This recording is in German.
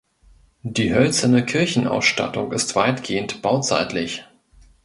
Die hölzerne Kirchenausstattung ist weitgehend bauzeitlich.